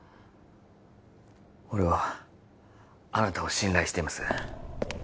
俺はあなたを信頼しています